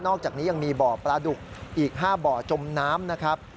อกจากนี้ยังมีบ่อปลาดุกอีก๕บ่อจมน้ำนะครับ